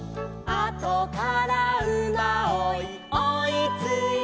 「あとからうまおいおいついて」